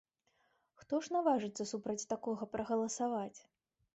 Хто ж наважыцца супраць такога прагаласаваць?